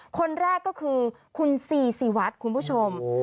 คนแรกก็คือคุณซีซีวัดคุณผู้ชม